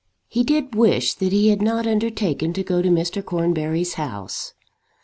He did wish that he had not undertaken to go to Mr. Cornbury's house.